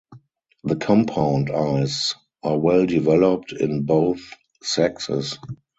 The compound eyes are well developed in both sexes.